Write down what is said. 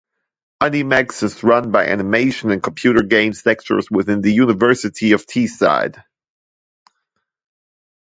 Animex is run by animation and computer games lecturers within the University of Teesside.